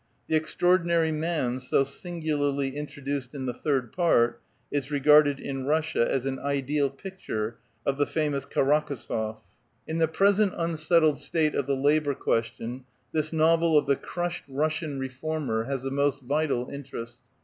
The extraordinaiy man, so sin gularly introduced in the third part, is regarded in Russia as an ideal picture o^Jbe famous Karak6zof , IV PREFA CE. V In the' present unsettled state of the labor question this novel of the crushed Russian reformer has a most vital interest.